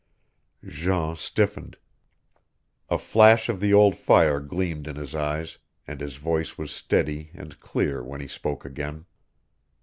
Jean stiffened. A flash of the old fire gleamed in his eyes, and his voice was steady and clear when he spoke again.